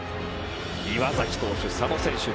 岩崎投手、佐野投手